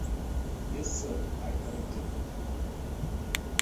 Yes, sir, I corrected.